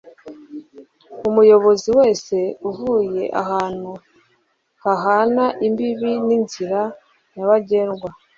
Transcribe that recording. Umuyobozi wese uvuye ahantu hahana imbibi n inzira nyabagendwa